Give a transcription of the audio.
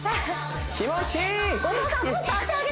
気持ちいい！